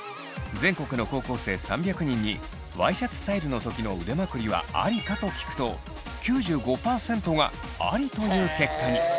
全国の高校生３００人に「ワイシャツスタイルの時の腕まくりはありか？」と聞くと９５％がありという結果に。